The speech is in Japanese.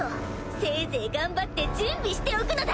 せいぜい頑張って準備しておくのだ！